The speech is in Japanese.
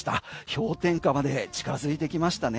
氷点下まで近づいてきましたね